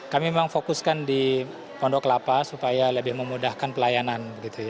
kami memang fokuskan di pondok lapa supaya lebih memudahkan pelayanan